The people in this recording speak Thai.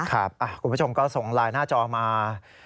คุณผู้ชมก็ส่งไลน์หน้าจอมา